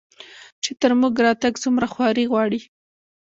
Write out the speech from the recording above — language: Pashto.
چې تر موږه راتګ څومره خواري غواړي